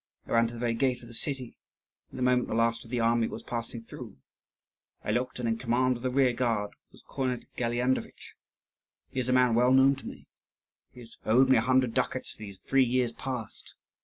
I ran to the very gate of the city, at the moment when the last of the army was passing through. I looked, and in command of the rearguard was Cornet Galyandovitch. He is a man well known to me; he has owed me a hundred ducats these three years past.